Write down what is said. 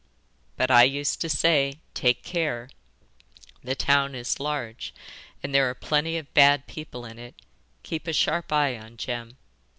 But I used to say, "Take care the town is large, there are plenty of bad people in it keep a sharp eye on Jem."